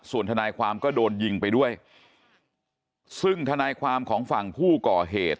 ส่วนทนายความก็โดนยิงไปด้วยซึ่งทนายความของฝั่งผู้ก่อเหตุ